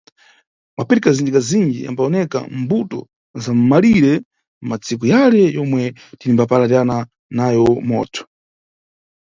Mapiri kazinji-kazinji yambawoneka mbuto za mʼmalire madziko yale yomwe tinimbapalirana nayo moto.